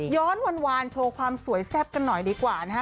วานโชว์ความสวยแซ่บกันหน่อยดีกว่านะฮะ